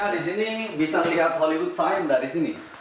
di sini bisa lihat hollywood sign dari sini